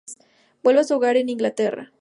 Vuelve a su hogar en Inglaterra.